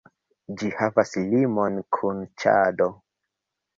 Ĝi havas limon kun Ĉado.